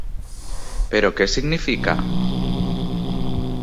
Però què significa?